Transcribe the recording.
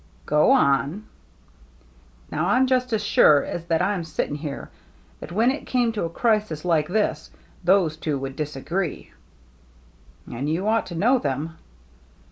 " Go on." Now, Fm just as sure as that Vm sitting here, that when it came to a crisis like this, those two would disagree/' " And you ought to know them."